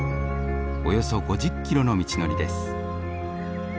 およそ５０キロの道のりです。